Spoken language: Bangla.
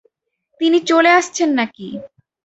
তিনি চলে আসছেন নাকি?